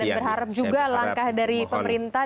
dan berharap juga langkah dari pemerintah